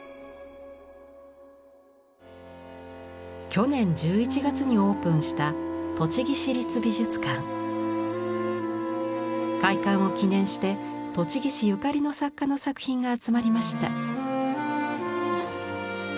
去年１１月にオープンした開館を記念して栃木市ゆかりの作家の作品が集まりました。